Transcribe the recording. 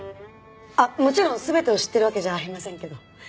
あっもちろん全てを知ってるわけじゃありませんけど。